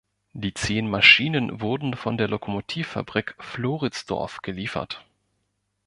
Die zehn Maschinen wurden von der Lokomotivfabrik Floridsdorf geliefert.